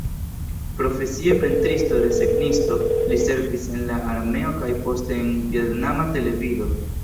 Profesie pentristo-desegnisto, li servis en la armeo kaj poste en vjetnama televido.